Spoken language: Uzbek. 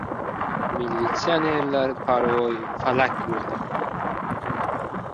Militsionerlar parvoyi falak bo‘ldi.